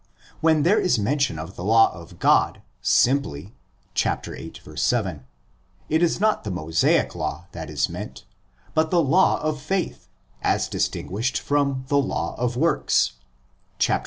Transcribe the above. When there is mention of the law of God simply (viii. 7), it is not the Mosaic law that is meant, but the "law of faith" as distin guished from the '' law of works "' (iii.